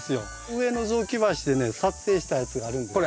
上の雑木林でね撮影したやつがあるんです。